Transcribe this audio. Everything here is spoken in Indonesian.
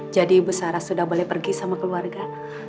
jadi bu sara sudah boleh pergi sama keluarga